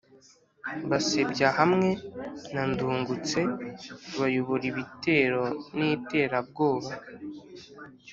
Basebya hamwe na Ndungutse bayobora Ibitero n iterabwoba